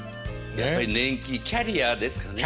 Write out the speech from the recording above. やっぱり年季キャリアですかね。